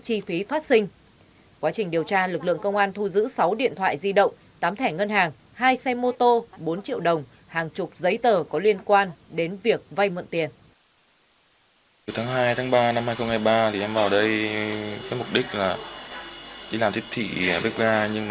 cơ quan cảnh sát điều tra lực lượng công an đã thu giữ các tăng vật đồ vật tài liệu có liên quan đến hoạt động cho vay lãi nặng